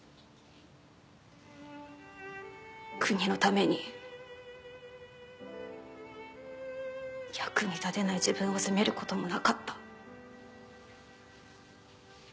国のために役に立てない自分を責める事もなかった。